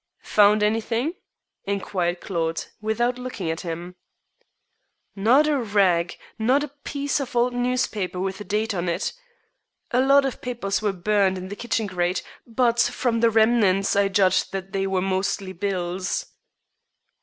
"Found anything?" inquired Claude, without looking at him. "Not a rag, not a piece of old newspaper with a date on it. A lot of papers were burned in the kitchen grate, but from the remnants I judge that they were mostly bills."